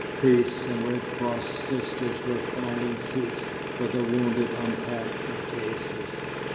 Priests and Red Cross sisters were finding seats for the wounded on packing cases.